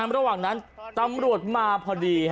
ระหว่างนั้นตำรวจมาพอดี